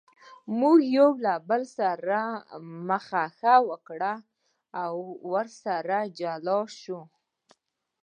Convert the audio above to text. موږ یو له بل سره مخه ښه وکړه او سره جلا شوو.